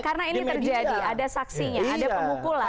karena ini terjadi ada saksinya ada pengumpulan